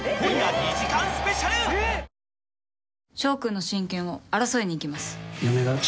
翔君の親権を争いにいきます。